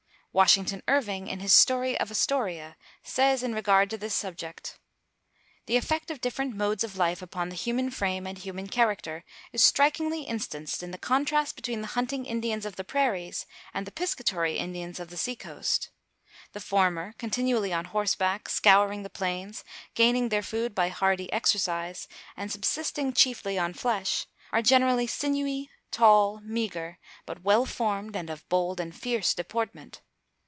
Washington Irving, in his story of "Astoria," says in regard to this subject: "The effect of different modes of life upon the human frame and human character is strikingly instanced in the contrast between the hunting Indians of the prairies and the piscatory Indians of the sea coast. The former, continually on horseback, scouring the plains, gaining their food by hardy exercise, and subsisting chiefly on flesh, are generally sinewy, tall, meagre, but well formed and of bold and fierce deportment.